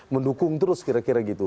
mendukung terus kira kira gitu